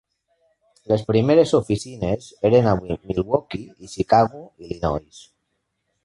Les primeres oficines eren a Milwaukee i Chicago, Illinois.